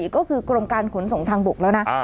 ก็คือกรมการขนส่งทางบกแล้วนะ